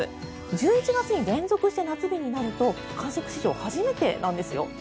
１１月に連続して夏日になると観測史上初めてなんですよ。